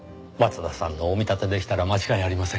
松田さんのお見立てでしたら間違いありません。